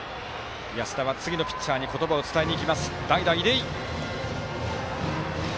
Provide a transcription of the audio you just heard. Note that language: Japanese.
安田は次のピッチャーに言葉を伝えにいきます。